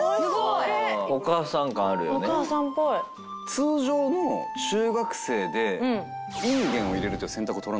通常の中学生でインゲンを入れるという選択を取らないですよ